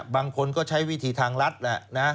บางคนก็ใช้วิธีทางรัฐแหละนะ